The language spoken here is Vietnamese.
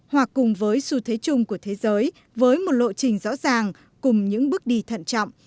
hòa cùng với xu thế chung của thế giới với một lộ trình rõ ràng cùng những bước đi thận trọng